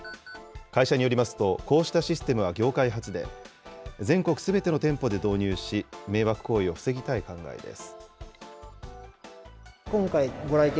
会社によりますと、こうしたシステムは業界初で、全国すべての店舗で導入し、迷惑行為を防ぎたい考えです。